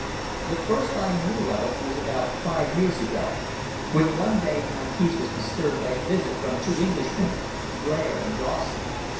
The first I knew of it was about five years ago, when one day my peace was disturbed by a visit from two Englishmen, Blair and Dawson.